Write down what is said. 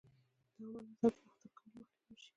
د عامه نظم د مختل کولو مخنیوی وشي.